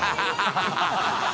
ハハハ